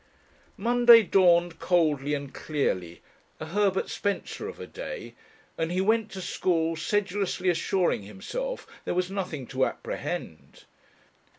Monday dawned coldly and clearly a Herbert Spencer of a day and he went to school sedulously assuring himself there was nothing to apprehend.